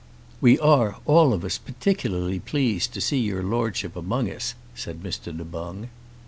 "We are, all of us, particularly glad to see your Lordship among us," said Mr. Du Boung.